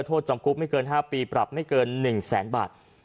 โทษจำกรุ๊ปไม่เกิน๕ปีปรับไม่เกิน๑๐๐๐๐๐บาท